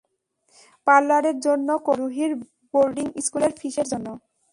পার্লারের জন্য করছে, রুহির বোর্ডিং স্কুলের ফিসের জন্য।